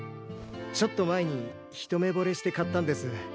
ちょっと前に一目ぼれして買ったんです。